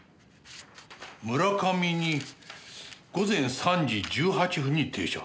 村上に午前３時１８分に停車。